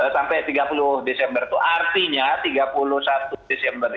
sampai tiga puluh desember itu artinya tiga puluh satu desember